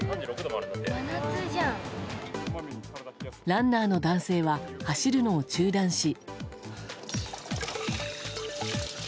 ランナーの男性は走るのを中断し。